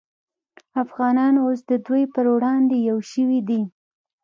افغانان اوس د دوی پر وړاندې یو شوي دي